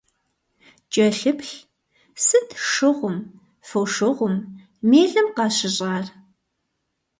КӀэлъыплъ, сыт шыгъум, фошыгъум, мелым къащыщӀар?